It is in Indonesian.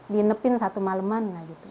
dinepin satu maleman